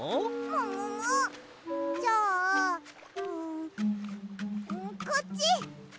ももも！？じゃあんこっち！